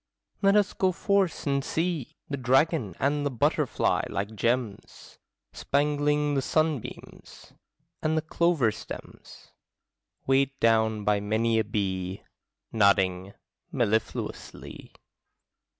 Let us go forth and see The dragon and the butterfly, like gems, Spangling the sunbeams; and the clover stems, Weighed down by many a bee, Nodding mellifluously.